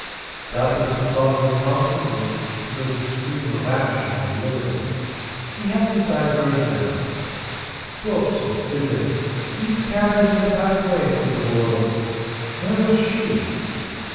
Doubtless he thought of her constantly because his freedom of action was limited. He hadn't diversion enough. Books and fiddling, these carried him but halfway through the boredom. Where was she?